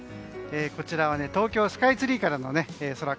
こちらは東京スカイツリーからの空。